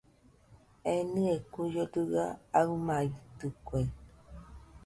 Enɨe kuio dɨga aɨmaitɨkue.